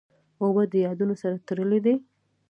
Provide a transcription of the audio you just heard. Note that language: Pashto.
اوبه د یادونو سره تړلې دي.